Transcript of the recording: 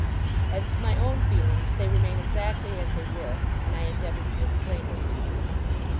As to my own feelings they remain exactly as they were when I endeavoured to explain them to you.